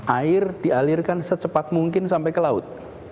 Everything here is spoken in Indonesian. air dialirkan secepat mungkin sampai ke laut